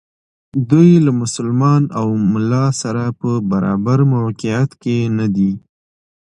دوی له مسلمان او ملا سره په برابر موقعیت کې ندي.